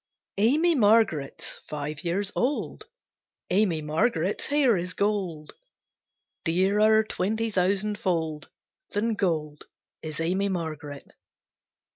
AMY MARGARET'S five years old, Amy Margaret's hair is gold, Dearer twenty thousand fold Than gold, is Amy Margaret.